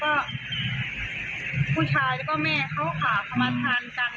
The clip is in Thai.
เพราะว่าชาบูเขากำลังกินเหลือเต็มหม้อเต็มโต๊ะอยู่เลยค่ะ